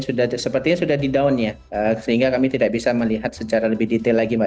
sudah sepertinya sudah di down ya sehingga kami tidak bisa melihat secara lebih detail lagi mbak